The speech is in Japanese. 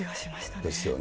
ですよね。